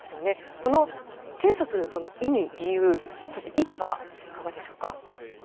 この検査する意味、理由、そして意義はいかがでしょうか。